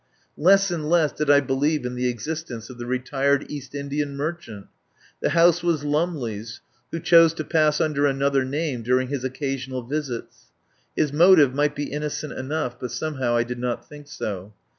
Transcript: Less and less did I believe in the existence of the retired East Indian merchant. The house was Lumley's, who chose to pass under another name during his occasional visits. His motive might be inno cent enough, but somehow I did not think so.